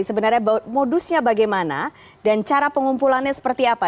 sebenarnya modusnya bagaimana dan cara pengumpulannya seperti apa